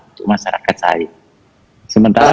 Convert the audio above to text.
untuk masyarakat saya sementara